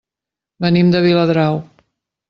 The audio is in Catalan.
Venim de Viladrau.